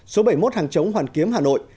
số bảy mươi một hàng chống hoàn kiếm hà nội